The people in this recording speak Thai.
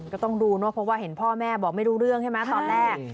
ก็ต้องดูเนอะเพราะว่าเห็นพ่อแม่บอกไม่รู้เรื่องใช่ไหมตอนแรก